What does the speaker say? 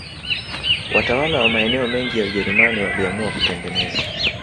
Watawala wa maeneo mengi ya Ujerumani waliamua kutengeneza